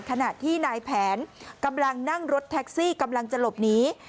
ขณะที่นายแผนกำลังนั่งรถแท็กซี่กำลังจะหลบหนี